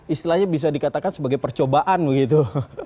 istilahnya bisa dikatakan sebagai percobaan begitu